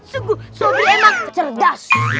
sobri emang cerdas